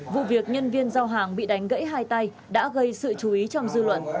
vụ việc nhân viên giao hàng bị đánh gãy hai tay đã gây sự chú ý trong dư luận